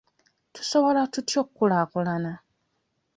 Tusobola tutya okkulaakulana?